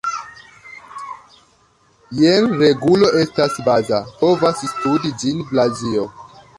Jen regulo estas baza, povas studi ĝin Blazio.